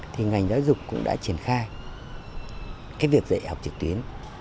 thì ngành giáo dục cũng đã triển khai cái việc dạy học trực tuyến